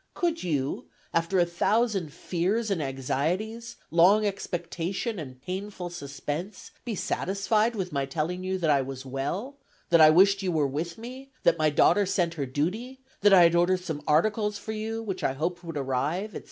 Could you, after a thousand fears and anxieties, long expectation, and painful suspense, be satisfied with my telling you that I was well, that I wished you were with me, that my daughter sent her duty, that I had ordered some articles for you, which I hoped would arrive, etc.